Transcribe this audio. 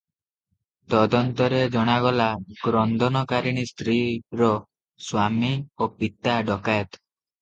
ତଦନ୍ତରେ ଜଣାଗଲା, କ୍ରନ୍ଦନକାରିଣୀ ସ୍ତ୍ରୀର ସ୍ୱାମୀ ଓ ପିତା ଡକାଏତ ।